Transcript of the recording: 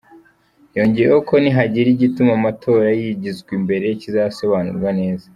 Yongeyeho ko nihagira igituma amatora yigizwa imbere kizasobanurwa neza.